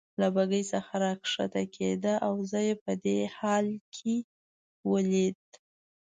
له بګۍ څخه راکښته کېده او زه یې په دې حال کې ولید.